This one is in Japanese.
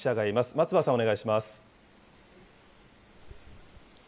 松葉さん、お願いします。